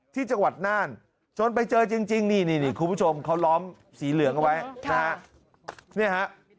ที่จังหวัดน่านจนไปเจอจริงนี่คุณผู้ชมเขาล้อมสีเหลืองเอาไว้นะฮะ